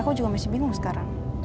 aku juga masih bingung sekarang